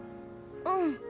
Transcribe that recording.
うん。